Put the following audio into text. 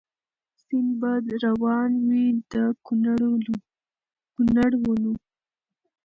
سیند به روان وي د کونړونو